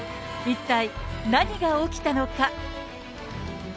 一体何が起きたのか。